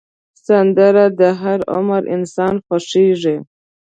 سندره د هر عمر انسان خوښېږي